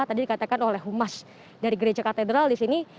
tadi dikatakan oleh humas dari gereja katedral di sini